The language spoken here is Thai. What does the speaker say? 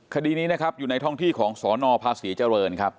คดีนี้นะครับอยู่ในท่องที่ของสนภาษีเจริญครับ